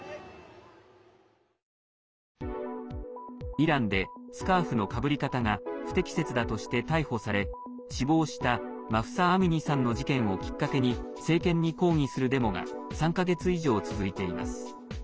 イランでスカーフのかぶり方が不適切だとして逮捕され死亡したマフサ・アミニさんの事件をきっかけに政権に抗議するデモが３か月以上続いています。